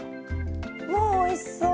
もうおいしそう！